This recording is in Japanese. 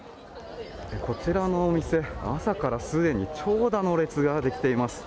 こちらのお店朝からすでに長蛇の列ができています。